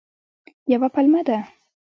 یوه پلمه ده.